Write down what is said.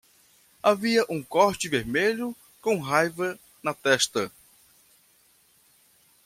Havia um corte vermelho com raiva na testa.